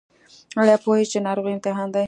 ایا پوهیږئ چې ناروغي امتحان دی؟